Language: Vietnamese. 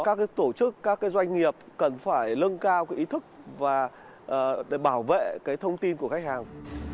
các tổ chức các doanh nghiệp cần phải lưng cao ý thức và để bảo vệ cái thông tin của khách hàng